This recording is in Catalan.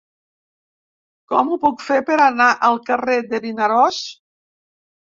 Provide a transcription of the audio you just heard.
Com ho puc fer per anar al carrer de Vinaròs?